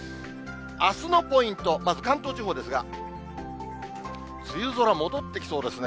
あすのポイント、まず関東地方ですが、梅雨空戻ってきそうですね。